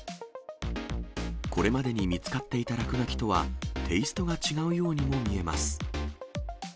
これまでに見つかっていた落書きとは、テイストが違うようにも見えます。